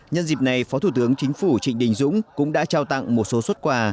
nhân dịp này phó thủ tướng chính phủ trịnh đình dũng cũng đã trao tặng một số xuất quà